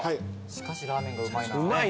しかしラーメンがうまいな。